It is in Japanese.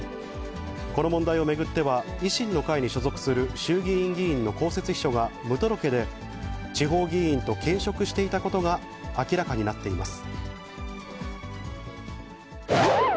この問題を巡っては、維新の会に所属する衆議院議員の公設秘書が無届けで地方議員と兼職していたことが明らかになっています。